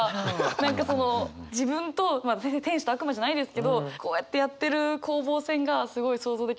何かその自分と天使と悪魔じゃないですけどこうやってやってる攻防戦がすごい想像できて。